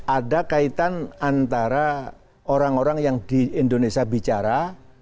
ada kaitan antara orang orang yang di indonesia bicara